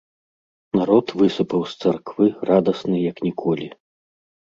Народ высыпаў з царквы радасны як ніколі.